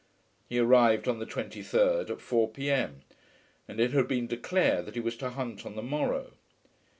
He arrived on the 23rd at 4 P.M., and it had been declared that he was to hunt on the morrow.